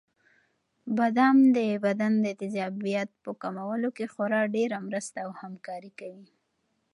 بادام د بدن د تېزابیت په کمولو کې خورا ډېره مرسته او همکاري کوي.